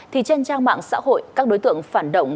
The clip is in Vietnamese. thì trên trang mạng xã hội các đối tượng phản động